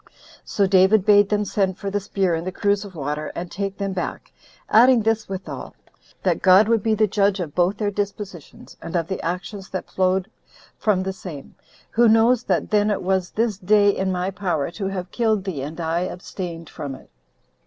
So David bade them send for the spear and the cruse of water, and take them back; adding this withal, That God would be the judge of both their dispositions, and of the actions that flowed from the same, "who knows that then it was this day in my power to have killed thee I abstained from it."